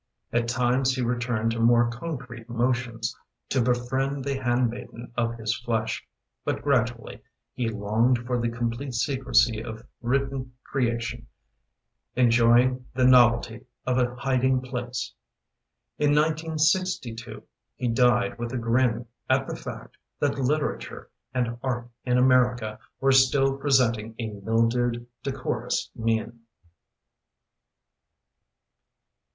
At times he returned to more concrete motions, To befriend the handmaiden of his flesh, But gradually he longed For the complete secrecy of written creation, Enjoying the novelty of a hiding place. In 1962 He died with a grin at the fact That literature and art in America Were still presenting a mildewed, decorous mien.